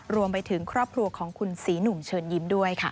รวมไปถึงครอบครัวของคุณศรีหนุ่มเชิญยิ้มด้วยค่ะ